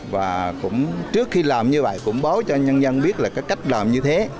và trước khi làm như vậy cũng báo cho nhân dân biết là cái cách làm như thế